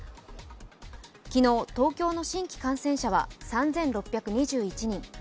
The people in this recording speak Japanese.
昨日、東京の新規感染者は３６２１人。